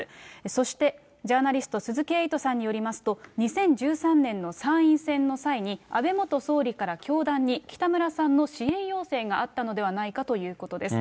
そしてジャーナリスト、鈴木エイトさんによりますと、２０１３年の参院選の際に、安倍元総理から教団に北村さんの支援要請があったのではないかということです。